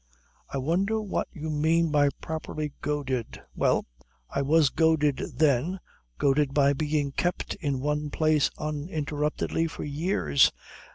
"I wonder what you mean by properly goaded?" "Well, I was goaded then. Goaded by being kept in one place uninterruptedly for years."